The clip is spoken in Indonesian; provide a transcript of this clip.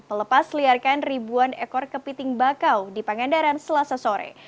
melepas liarkan ribuan ekor kepiting bakau di pangandaran selasa sore